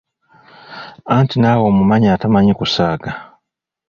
Anti naawe omumanyi atamanyi kusaaga!